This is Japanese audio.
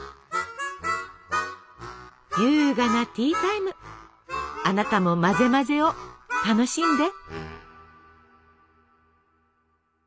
優雅なティータイムあなたも混ぜ混ぜを楽しんで！